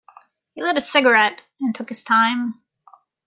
He lit a cigarette and took his time.